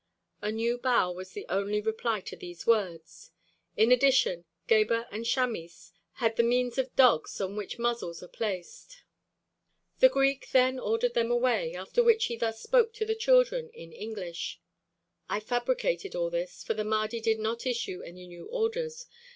A new bow was the only reply to these words; in addition Gebhr and Chamis had the miens of dogs on which muzzles are placed. The Greek then ordered them away, after which he thus spoke to the children in English: "I fabricated all this, for the Mahdi did not issue any new orders.